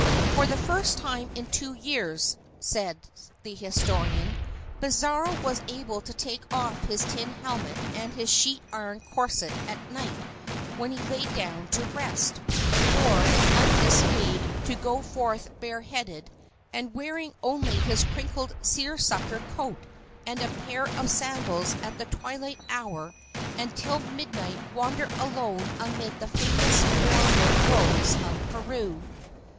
"For the first time in two years," says the historian, "Pizarro was able to take off his tin helmet and his sheet iron corset at night when he lay down to rest, or undismayed to go forth bareheaded and wearing only his crinkled seersucker coat and a pair of sandals at the twilight hour and till midnight wander alone amid the famous guano groves of Peru."